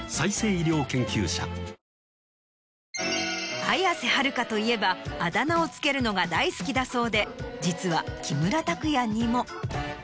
綾瀬はるかといえばあだ名を付けるのが大好きだそうで実は木村拓哉にも。